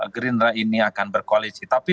gerindra ini akan berkoalisi tapi